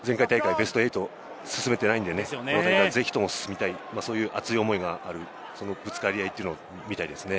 ベスト８に進めていないので、ぜひとも進みたい、そういう熱い思いがある、そのぶつかり合いというのを見たいですね。